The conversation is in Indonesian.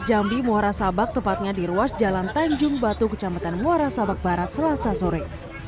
jambi muara sabak tepatnya di ruas jalan tanjung batu kecamatan muara sabak barat selasa sore